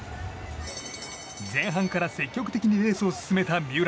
前半から積極的にレースを進めた三浦。